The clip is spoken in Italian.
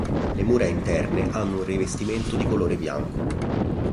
Le mura interne hanno un rivestimento di colore bianco.